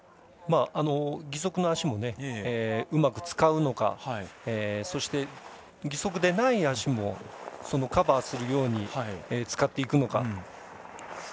義足の足もうまく使うのかそして、義足でない足もカバーするように使っていくのか。